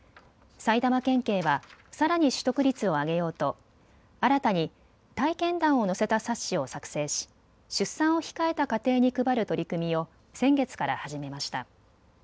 埼玉県警はさらに取得率を上げようと新たに体験談を載せた冊子を作成し出産を控えた家庭に配る取り組みを先月から始めました。